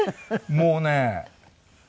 もうね。